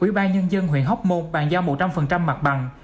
ủy ban nhân dân huyện hóc môn bàn giao một trăm linh mặt bằng